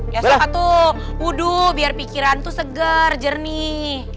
ya siapa tuh wudhu biar pikiran tuh segar jernih